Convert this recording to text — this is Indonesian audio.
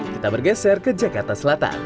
kita bergeser ke jakarta selatan